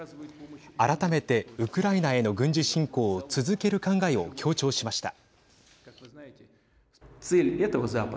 改めてウクライナへの軍事侵攻を続ける考えを強調しました。